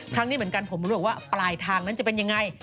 ครั้งนี้เหมือนกันผมไม่รู้ว่าปลายทางนั้นจะเป็นยังไง